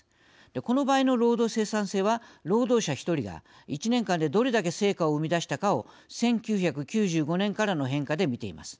この場合の労働生産性は労働者１人が１年間でどれだけ成果を生み出したかを１９９５年からの変化で見ています。